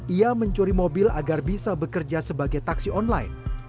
ia mencuri mobil agar bisa bekerja sebagai taksi online